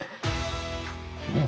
うん！